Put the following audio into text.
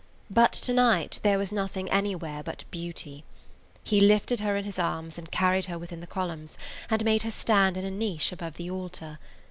But tonight there was nothing anywhere but beauty. He lifted her in his arms and carried her within the columns, and made her stand in a niche above the altar.